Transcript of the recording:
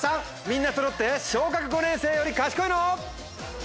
みんなそろって小学５年生より賢いの？